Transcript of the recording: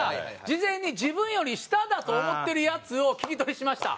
事前に自分より下だと思ってるヤツを聞き取りしました。